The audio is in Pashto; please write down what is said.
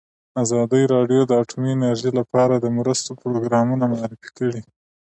ازادي راډیو د اټومي انرژي لپاره د مرستو پروګرامونه معرفي کړي.